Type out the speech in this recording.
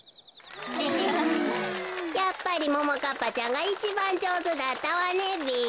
やっぱりももかっぱちゃんがいちばんじょうずだったわねべ。